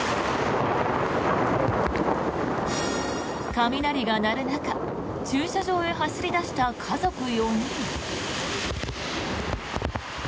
雷が鳴る中駐車場へ走り出した家族４人。